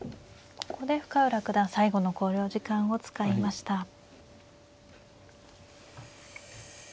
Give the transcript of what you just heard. ここで深浦九段最後の考慮時間を使いました。